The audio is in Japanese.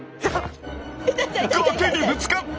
崖にぶつかった！